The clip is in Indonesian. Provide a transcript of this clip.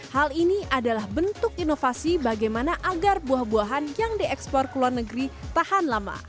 hal ini adalah bentuk inovasi bagaimana agar buah buahan yang diekspor ke luar negeri tahan lama